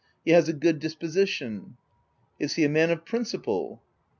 He has a good disposition. r u Is he a man of principle?"